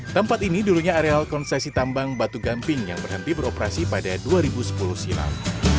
tempat ini dulunya areal konsesi tambang batu gamping yang berhenti beroperasi pada dua ribu sepuluh silam